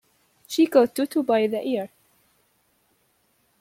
She caught Toto by the ear.